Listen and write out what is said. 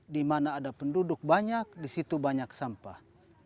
di mana ada penduduk banyak di situ banyak sampah